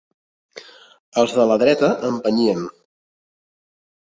Els de la dreta, empenyien